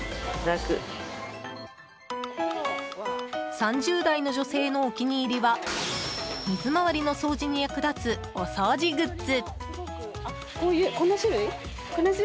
３０代の女性のお気に入りは水回りの掃除に役立つお掃除グッズ。